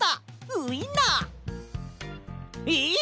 ウインナー！え！？